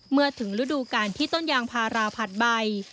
เมื่อถึงฤดูการที่ต้นยางพาราผัดใบ